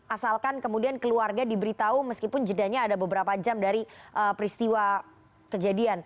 asalkan kemudian keluarga diberitahu meskipun jedanya ada beberapa jam dari peristiwa kejadian